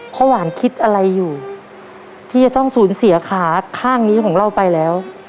หวานคิดอะไรอยู่ที่จะต้องสูญเสียขาข้างนี้ของเราไปแล้ว